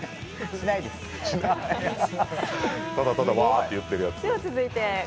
ただただ「わー」って言ってるやつ。